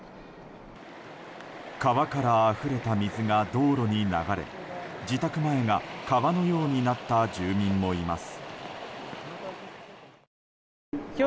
川からあふれた水が道路に流れ自宅前が川のようになった住民もいます。